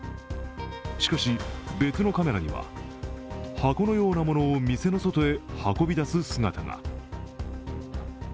しかし、別のカメラには箱のようなものを店の外へ運び出す姿が。